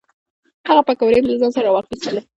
هغه پیکورې مې له ځان سره را واخیستلې.